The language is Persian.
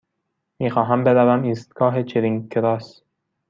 می خواهم بروم ایستگاه چرینگ کراس.